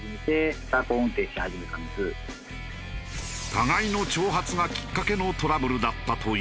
互いの挑発がきっかけのトラブルだったという。